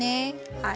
はい。